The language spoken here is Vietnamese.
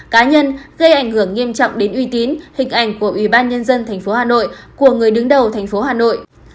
cá nhân gây ảnh hưởng nghiêm trọng đến uy tín hình ảnh của ubnd tp hà nội của người đứng đầu tp hà nội